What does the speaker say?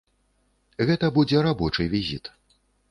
Гэта будзе рабочы візіт.